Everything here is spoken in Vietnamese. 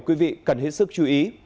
quý vị cần hết sức chú ý